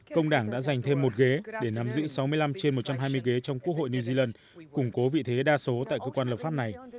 công đảng đã giành thêm một ghế để nắm giữ sáu mươi năm trên một trăm hai mươi ghế trong quốc hội new zealand củng cố vị thế đa số tại cơ quan lập pháp này